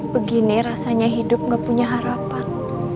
begini rasanya hidup gak punya harapan